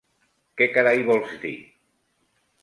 Què carai vols dir?